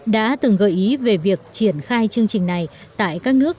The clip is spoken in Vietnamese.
đã từng gợi ý về việc triển khai chương trình này tại các nước